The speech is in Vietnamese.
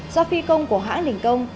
do phi công của hãng đình công